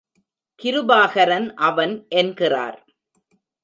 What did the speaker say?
கிருபாகரன் அவன் என்கிறார்.